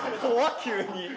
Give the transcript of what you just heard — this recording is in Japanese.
急に。